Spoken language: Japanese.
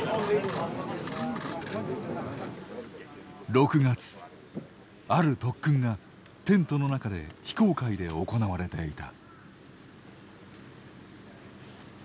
６月、ある特訓がテントの中で非公開で行われていた。